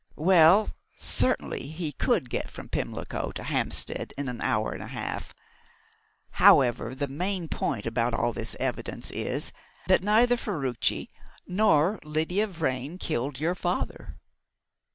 "Well, certainly he could get from Pimlico to Hampstead in an hour and a half. However, the main point about all this evidence is, that neither Ferruci nor Lydia Vrain killed your father."